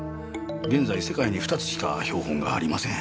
現在世界に２つしか標本がありません。